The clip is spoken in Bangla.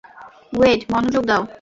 ওয়েড, মনোযোগ দাও।